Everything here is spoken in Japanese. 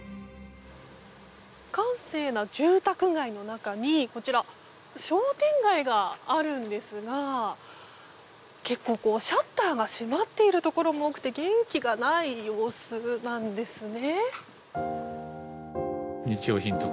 閑静な住宅街の中にこちら、商店街があるんですが結構シャッターが閉まっているところも多くて元気がない様子なんですね。